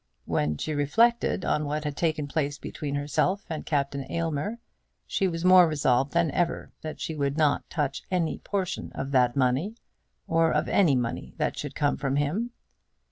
When she reflected on what had taken place between herself and Captain Aylmer she was more resolved than ever that she would not touch any portion of that money, or of any money that should come from him.